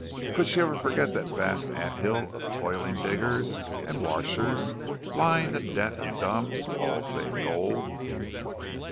Could she ever forget that vast ant hill of toiling diggers and washers, blind and deaf and dumb to all save gold?